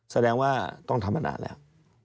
แสดงว่าต้องทำมานานแล้ว